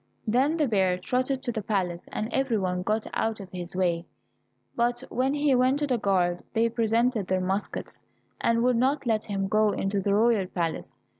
Then the bear trotted to the palace, and every one got out of his way, but when he went to the guard, they presented their muskets, and would not let him go into the royal palace.